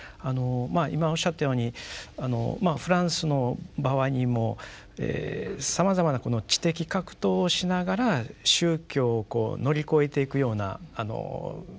今おっしゃったようにフランスの場合にもさまざまなこの知的格闘をしながら宗教をこう乗り越えていくような運動みたいなものがですね